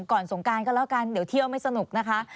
สงการก็แล้วกันเดี๋ยวเที่ยวไม่สนุกนะคะ